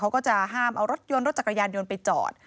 เขาก็จะห้ามเอารถยนต์รถจักรยานยนต์ไปจอด